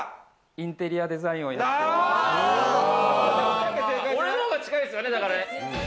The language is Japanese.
インテリアデザインをやっております。